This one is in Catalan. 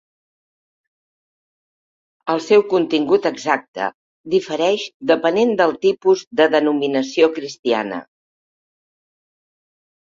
El seu contingut exacte difereix depenent del tipus de denominació cristiana.